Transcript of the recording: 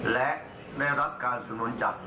และได้รับการสนุนจาก